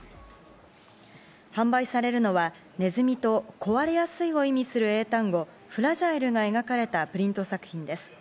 販売されるのは、ネズミと、壊れやすいを意味する英単語、ＦＲＡＧＩＬＥが描かれたプリント作品です。